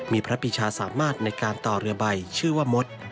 มีพระปีชาสามารถในการต่อเรือใบชื่อว่ามด